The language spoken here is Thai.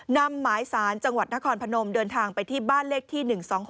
นำหมายสารจังหวัดนครพนมเดินทางไปที่บ้านเลขที่๑๒๖